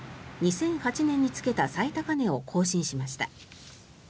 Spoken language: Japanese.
２００８年につけた最高値を更新しました。